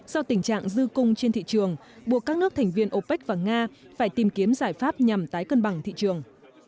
do tình trạng dư cung trên thị trường buộc các nước thành viên opec và nga phải tìm kiếm giải pháp nhằm tái cân bằng thị trường